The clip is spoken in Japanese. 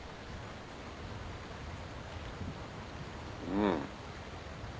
うん。